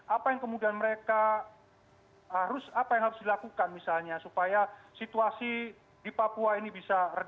apa yang kemudian mereka harus apa yang harus dilakukan misalnya supaya situasi di papua ini bisa berjalan